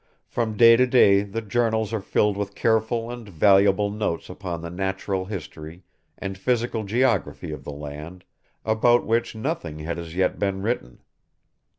From day to day the journals are filled with careful and valuable notes upon the natural history and physical geography of the land, about which nothing had as yet been written.